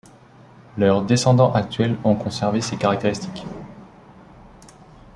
Leurs descendants actuels ont conservé ces caractéristiques.